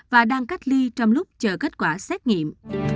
và đang cách ly trong lúc chờ kết quả xét nghiệm